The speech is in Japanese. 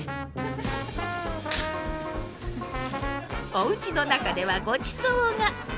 おうちの中ではごちそうが。